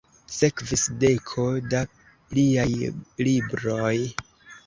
Sekvis deko da pliaj libroj.